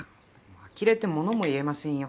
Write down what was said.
あきれてものも言えませんよ。